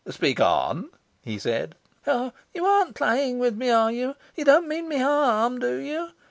"Speak on," he said. "Oh you aren't playing with me, are you? You don't mean me harm, do you?